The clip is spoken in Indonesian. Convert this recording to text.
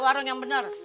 aduh aduh yang bener